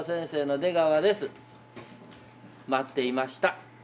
待っていました。